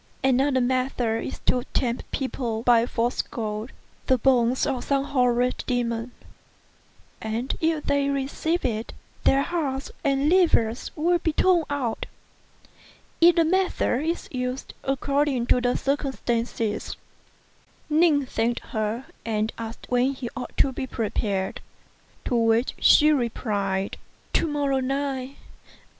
Another method is to tempt people by false gold, the bones of some horrid demon; and if they receive it, their hearts and livers will be torn out. Either method is used according to circumstances." Ning thanked her, and asked when he ought to be prepared; to which she replied, "To morrow night."